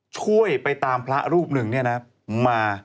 ช่วยไปตามพระรูปหนึ่งมา